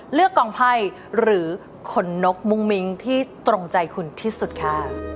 เลือกกองไพ่หรือขนนกมุ้งมิ้งที่ตรงใจคุณที่สุดค่ะ